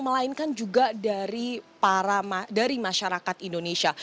melainkan juga dari masyarakat indonesia